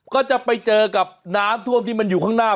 ก็จะไปเจอกับน้ำท่วมที่มันอยู่ข้างหน้า